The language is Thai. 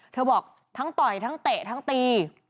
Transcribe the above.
บอกทั้งต่อยทั้งเตะทั้งตี